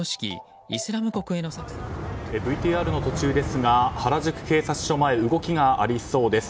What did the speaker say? ＶＴＲの途中ですが原宿警察署前動きがありそうです。